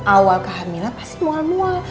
awal kehamilan pasti mual mual